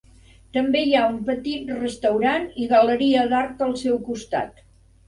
També hi ha un petit restaurant i galeria d'art al seu costat.